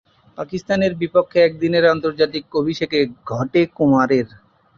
পাকিস্তানের বিপক্ষে একদিনের আন্তর্জাতিকে অভিষেক ঘটে কুমারের।